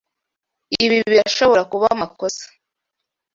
Ibi birashobora kuba amakosa.